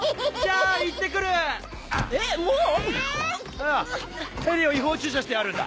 ああヘリを違法駐車してあるんだ。